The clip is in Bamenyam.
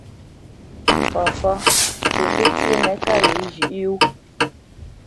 Papá pə pətíénə kâ wě zhʉ̌ʼ yó.